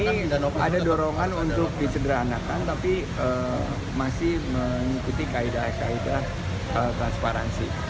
ini ada dorongan untuk disederhanakan tapi masih mengikuti kaedah kaedah transparansi